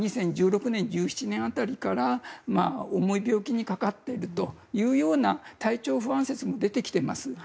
２０１６年、１７年辺りから重い病気にかかっているという体調不安説も出てきています。